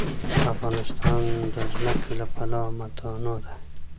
افغانستان د ځمکه له پلوه متنوع دی.